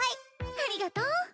ありがとう。